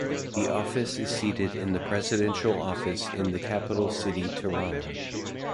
The office is seated in the Presidential Office in the capital city Tirana.